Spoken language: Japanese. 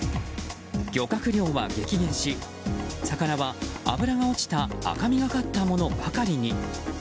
漁獲量は激減し魚は、脂が落ちた赤みがかったものばかりに。